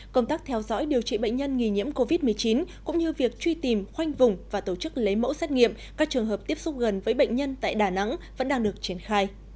công tác theo dõi điều trị bệnh nhân nghi nhiễm covid một mươi chín cũng như việc truy tìm khoanh vùng và tổ chức lấy mẫu xét nghiệm các trường hợp tiếp xúc gần với bệnh nhân tại đà nẵng vẫn đang được triển khai